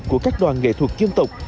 của các đoàn nghệ thuật dân tộc